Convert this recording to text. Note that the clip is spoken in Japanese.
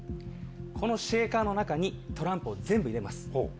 このシェイカーの中にトランプを全部入れます。